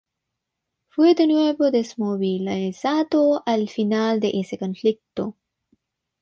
Fue de nuevo desmovilizado al final de ese conflicto.